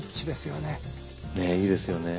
ねいいですよね。